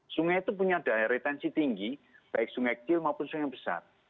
sungai itu punya daya retensi tinggi baik sungai kecil maupun sungai yang besar